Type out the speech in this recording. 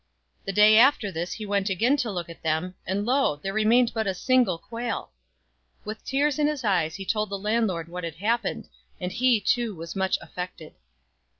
The day after this he went again to look at them, and lo ! there remained but a single quail. With tears in his eyes he told the landlord what had hap pened, and he, too, was much affected.